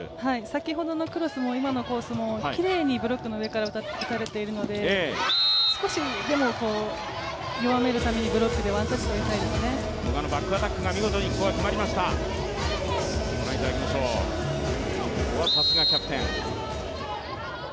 先ほどのクロスも今のコースもきれいにブロックの上から打たれているので少しでも弱めるために、ブロックでワンタッチとりたいですね。